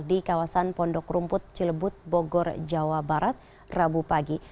di kawasan pondok rumput cilebut bogor jawa barat rabu pagi